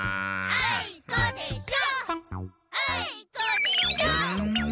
あいこでしょ！